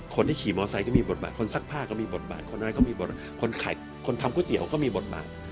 คนที่ขี่มอเซ้าก็มีบทบาทคนซักผ้าก็มีบทบาทคนทำก๋วยเตี๋ยวก็มีบทบาท